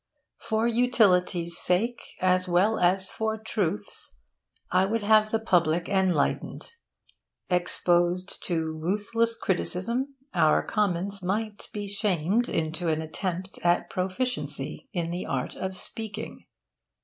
For utility's sake, as well as for truth's, I would have the public enlightened. Exposed to ruthless criticism, our Commons might be shamed into an attempt at proficiency in the art of speaking.